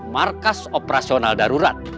markas operasional darurat